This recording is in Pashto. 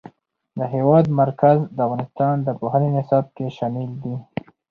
د هېواد مرکز د افغانستان د پوهنې نصاب کې شامل دي.